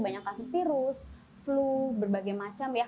banyak kasus virus flu berbagai macam ya